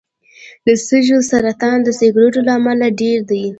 د سږو سرطان د سګرټو له امله ډېر دی.